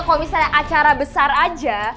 kalau misalnya acara besar aja